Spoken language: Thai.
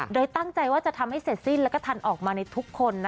โดยตั้งใจว่าจะทำให้เสร็จสิ้นแล้วก็ทันออกมาในทุกคน